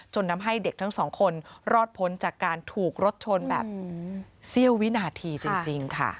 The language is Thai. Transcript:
ทำให้เด็กทั้งสองคนรอดพ้นจากการถูกรถชนแบบเสี้ยววินาทีจริงค่ะ